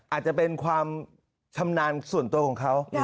อาจจะเป็นความชำนาญส่วนตัวของเขา